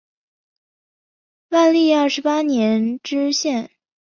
万历二十八年知县。